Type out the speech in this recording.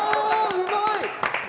うまい！